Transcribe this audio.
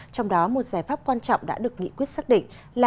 trong đó một giải pháp quan trọng đã được nghị quyết xác định là